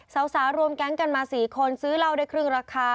สาวรวมแก๊งกันมา๔คนซื้อเหล้าได้ครึ่งราคา